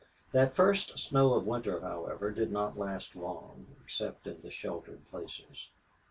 That first snow of winter, however, did not last long, except in the sheltered places.